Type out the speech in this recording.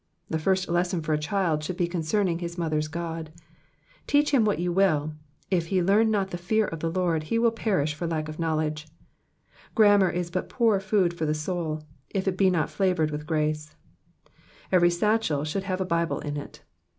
The first lesson for a child should be concerning his mother's God. Teach him what you will, if he learn not the fear of the Lord, he will perish for lack of knowledge. Grammar is poor food for the soul if it be not 28 Digitized by VjOOQIC 434 EXPOSITIONS OF THE PSALMS. flavoured with grace. Every satchel should have a Bible in it.